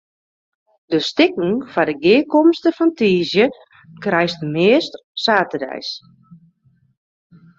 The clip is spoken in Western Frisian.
De stikken foar de gearkomste fan tiisdei krijst meast saterdeis.